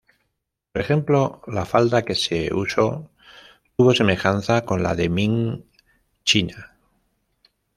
Por ejemplo, la falda que se usó tuvo semejanza con la de Ming china.